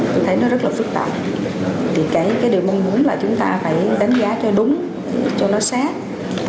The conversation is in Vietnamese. tôi thấy nó rất là phức tạp thì cái điều mong muốn là chúng ta phải đánh giá cho đúng cho nó sát